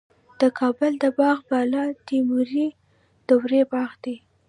د کابل د باغ بالا د تیموري دورې باغ دی